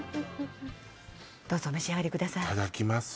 どうぞお召し上がりくださいいただきます